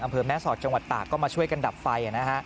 อำเภอแม่สอดจังหวัดตากก็มาช่วยกันดับไฟ